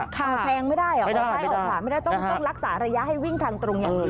แทงไม่ได้ออกซ้ายออกขวาไม่ได้ต้องรักษาระยะให้วิ่งทางตรงอย่างดี